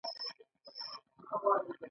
دا برخې به یې بزګرانو ته د کرلو لپاره ورکولې.